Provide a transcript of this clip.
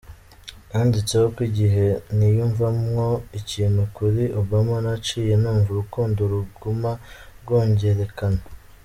Yanditse ko "Igihe niyumvamwo ikintu kuri Obama, naciye numva urukundo ruguma rwongerekana.